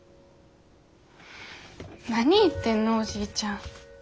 何言ってんのおじいちゃん。